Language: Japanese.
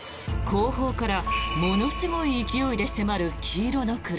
後方からものすごい勢いで迫る黄色の車。